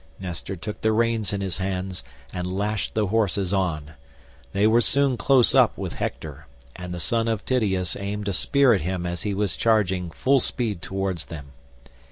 Nestor took the reins in his hands and lashed the horses on; they were soon close up with Hector, and the son of Tydeus aimed a spear at him as he was charging full speed towards them.